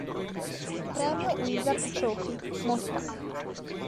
Premio Wizard Trophy, Mosca.